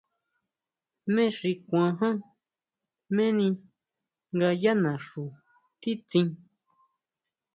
¿Jmé xi kuan ján, jméni nga yá naxu titsín?